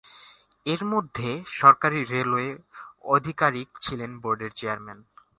এর মধ্যে সরকারি রেলওয়ে আধিকারিক ছিলেন বোর্ডের চেয়ারম্যান।